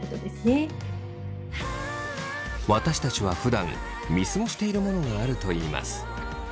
私たちはふだん見過ごしているものがあるといいます。